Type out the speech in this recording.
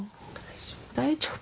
大丈夫。